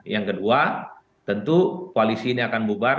yang kedua tentu koalisi ini akan bubar